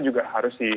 juga harus di